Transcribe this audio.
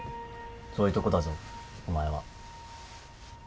そういうとこだぞお前は。